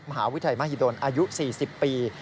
มหาวิทยาลมหิดลอายุ๔๐ปี